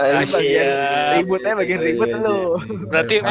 ributnya bagian ribut lo